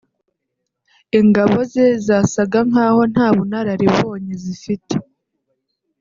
ingabo ze zasaga nk’aho nta bunararibonye zifite